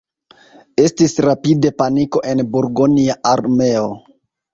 Estis rapide paniko en burgonja armeo.